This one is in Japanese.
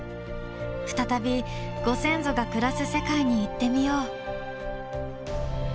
再びご先祖が暮らす世界に行ってみよう。